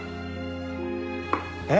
えっ？